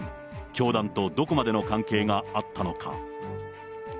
教団とどこまでの関係があったのか。